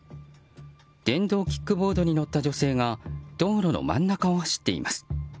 電動キックボードに乗った女性が道路の真ん中を走っています。